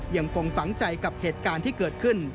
ยังคงฝังใจกับเหตุการณ์ที่เกิดขึ้น